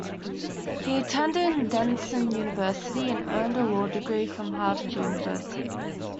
He attended Denison University, and earned a law degree from Harvard University.